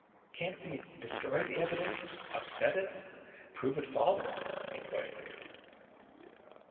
"Can't we destroy the evidence upset it prove it false?" inquired the girl.